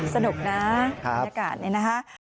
สนุกนะบรรยากาศนี่นะคะ